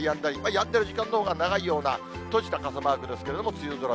やんでる時間のほうが長いような、閉じた傘マークですけれども、梅雨空。